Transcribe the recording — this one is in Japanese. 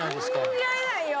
信じられないよ。